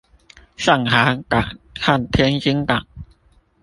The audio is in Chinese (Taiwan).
上海港和天津港